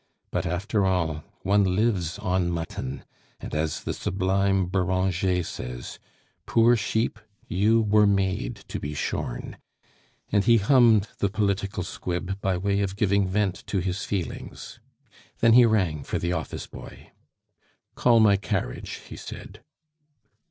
"But, after all, one lives on mutton; and, as the sublime Beranger says, 'Poor sheep! you were made to be shorn,'" and he hummed the political squib by way of giving vent to his feelings. Then he rang for the office boy. "Call my carriage," he said.